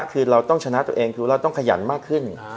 คือเราต้องชนะตัวเองคือเราต้องขยันมากขึ้น